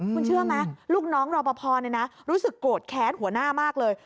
คุณเชื่อไหมลูกน้องรอปภรู้สึกโกรธแค้นหัวหน้ามากเลย